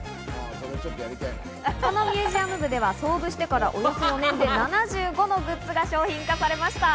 このミュージアム部では創部してから、およそ４年で７５のグッズが商品化されました。